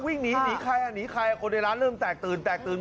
วิ่งหนีหนีใครอ่ะหนีใครคนในร้านเริ่มแตกตื่นแตกตื่น